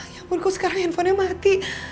ya ampun kok sekarang handphonenya mati